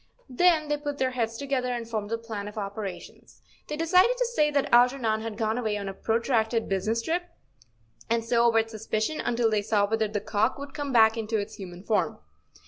Then they put their heads together and formed a plan of operations. They decided to say that Alger¬ non had gone away on a protracted business trip, and so avert suspicion until they saw whether the cock would come back into its human form.